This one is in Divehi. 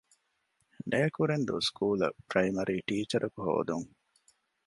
ނޭކުރެންދޫ ސްކޫލަށް ޕްރައިމަރީ ޓީޗަރަކު ހޯދުން